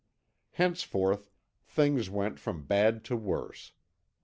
Henceforth things went from bad to worse.